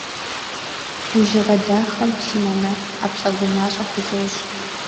Уи жьыгъэ дахэм, си нанэ, ӏэплӏэ гумащӏэ хузощӏ.